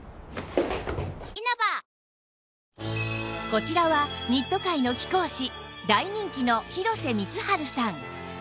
こちらはニット界の貴公子大人気の広瀬光治さん